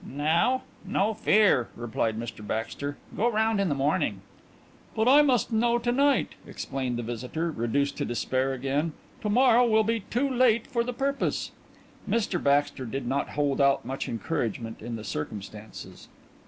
No fear!" replied Mr Baxter. "Go round in the morning " "But I must know to night," explained the visitor, reduced to despair again. "To morrow will be too late for the purpose." Mr Baxter did not hold out much encouragement in the circumstances.